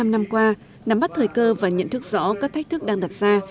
bảy mươi năm năm qua nắm bắt thời cơ và nhận thức rõ các thách thức đang đặt ra